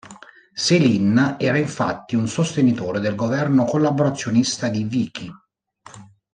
Céline era infatti un sostenitore del governo collaborazionista di Vichy.